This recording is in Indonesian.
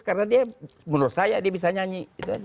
karena menurut saya dia bisa nyanyi